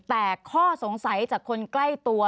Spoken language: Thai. แต่ข้อสงสัยจากคนใกล้ตัว